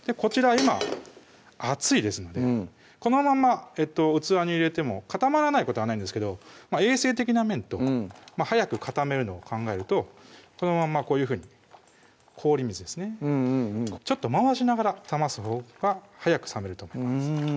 今熱いですのでこのまんま器に入れても固まらないことはないんですけど衛生的な面と早く固めるのを考えるとこのまんまこういうふうに氷水ですねちょっと回しながら冷ますほうが早く冷めると思います